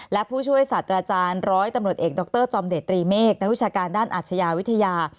และผู้ช่วยศาสตราจารย์ร้อยตำรวจเอกดรจอมเดชตรีเมฆนักวิชาการด้านอาชญาวิทยา